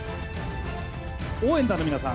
応援団の皆さん